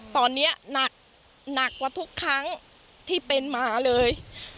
ตอนนี้หนักหนักกว่าทุกครั้งที่เป็นหมาเลย